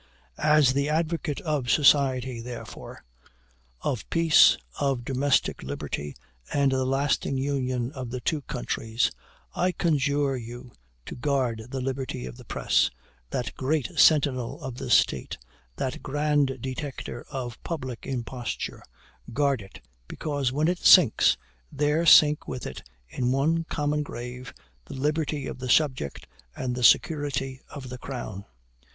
As the advocate of society therefore of peace, of domestic liberty, and the lasting union of the two countries, I conjure you to guard the liberty of the press, that great sentinel of the State, that grand detector of public imposture: guard it, because when it sinks, there sink with it, in one common grave, the liberty of the subject and the security of the Crown.